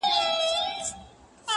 قربان د عِشق تر لمبو سم، باید ومي سوځي,